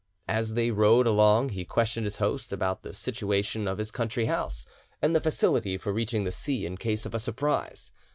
As they rode along he questioned his host about the situation of his country house and the facility for reaching the sea in case of a surprise.